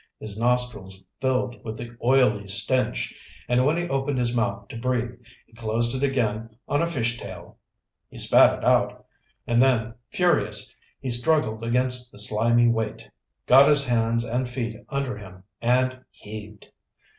His nostrils filled with the oily stench, and when he opened his mouth to breathe, he closed it again on a fish tail. He spat it out, and then, furious, he struggled against the slimy weight, got his hands and feet under him and heaved.